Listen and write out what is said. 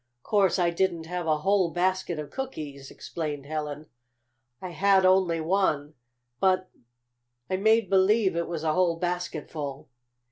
Course I didn't have a whole basket of cookies," explained Helen. "I had only one, but I made believe it was a whole basket full."